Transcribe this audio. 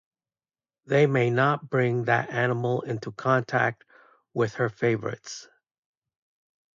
They may not bring that animal into contact with her favorites.